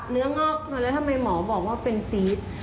งอกแล้วทำไมหมอบอกว่าเป็นซีส